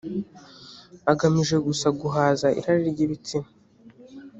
agamije gusa guhaza irari ry ibitsina